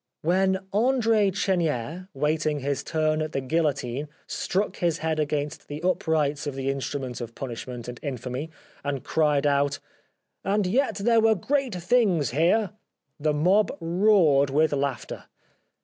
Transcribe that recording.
When Andre Chenier waiting his turn at the guillotine struck his head against the uprights of the in strument of punishment and infamy and cried out :" And yet there were great things here !" the mob roared with laughter.